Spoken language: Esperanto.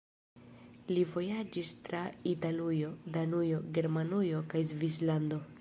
Li vojaĝis tra Italujo, Danujo, Germanujo kaj Svislando.